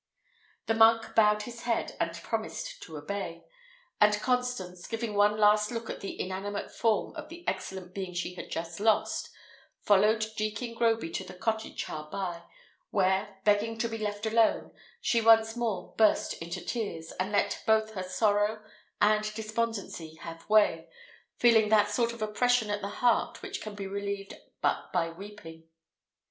The monk bowed his head, and promised to obey; and Constance, giving one last look to the inanimate form of the excellent being she had just lost, followed Jekin Groby to the cottage hard by, where, begging to be left alone, she once more burst into tears, and let both her sorrow and despondency have way, feeling that sort of oppression at her heart which can be relieved but by weeping.